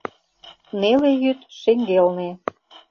Неле йӱд — шеҥгелне.